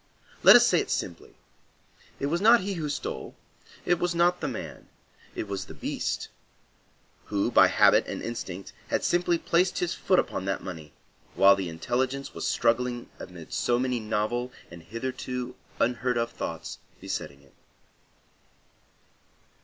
Let us say it simply, it was not he who stole; it was not the man; it was the beast, who, by habit and instinct, had simply placed his foot upon that money, while the intelligence was struggling amid so many novel and hitherto unheard of thoughts besetting it.